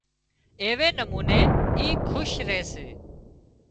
ايوي نموني اِي کُش ري سي